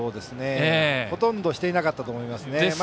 ほとんどしていなかったと思いますね。